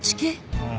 うん。